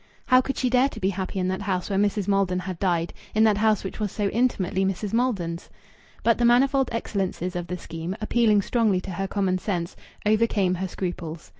How could she dare to be happy in that house where Mrs. Maldon had died, in that house which was so intimately Mrs. Maldon's? But the manifold excellences of the scheme, appealing strongly to her common sense, overcame her scruples.